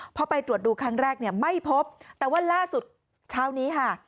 พอไปตรวจดูครั้งแรกเนี่ยไม่พบแต่ว่าล่าสุดเช้านี้ค่ะ